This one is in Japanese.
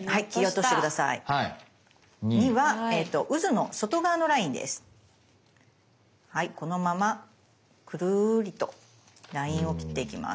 はいこのままくるりとラインを切っていきます。